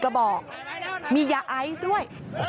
กระบอกมียาไอซ์ด้วย